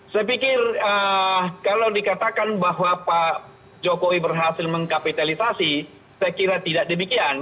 saya pikir kalau dikatakan bahwa pak jokowi berhasil mengkapitalisasi saya kira tidak demikian